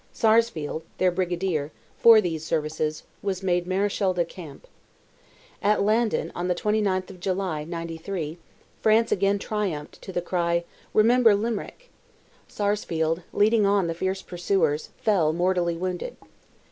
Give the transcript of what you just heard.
Sarsfield, their brigadier, for these services, was made mareschal de camp. At Landen, on the 29th of July, '93, France again triumphed to the cry, "Remember Limerick!" Sarsfield, leading on the fierce pursuers, fell, mortally wounded.